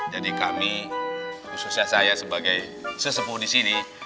jadi kami khususnya saya sebagai sesepuh di sini